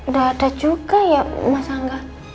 gak ada juga ya mas angga